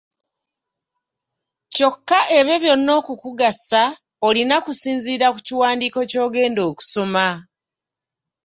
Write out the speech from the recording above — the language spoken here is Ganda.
Kyokka ebyo byonna okukugasa olina kusinziira ku kiwandiiko ky'ogenda okusoma.